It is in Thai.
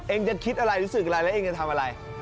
จะคิดอะไรรู้สึกอะไรแล้วเองจะทำอะไร